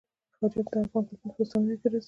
فاریاب د افغان کلتور په داستانونو کې راځي.